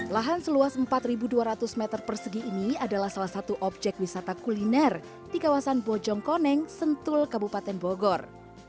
lahan seluas empat dua ratus meter persegi ini adalah salah satu objek wisata kuliner di kawasan bojong koneng sentul kabupaten bogor